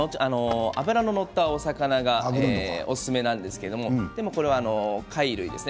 脂の乗ったお魚がおすすめなんですけれども貝類ですね。